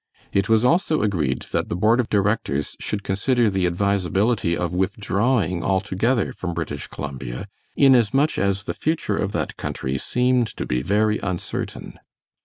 It was also agreed that the board of directors should consider the advisability of withdrawing altogether from British Columbia, inasmuch as the future of that country seemed to be very uncertain.